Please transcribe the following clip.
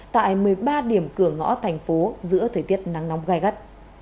tại một mươi ba điểm cửa ngõ thành phố giữa thời tiết nắng nóng gai gắt